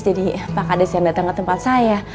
jadi pak kades yang datang ke tempat saya